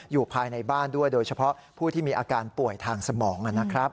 อยู่ภายในบ้านด้วยโดยเฉพาะผู้ที่มีอาการป่วยทางสมองนะครับ